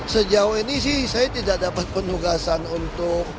sejauh ini sih saya tidak dapat penugasan untuk